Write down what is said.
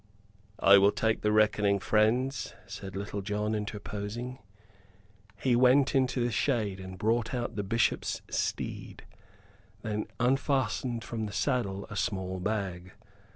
"I will take the reckoning, friends," said Little John, interposing. He went into the shade and brought out the bishop's steed, then unfastened from the saddle a small bag.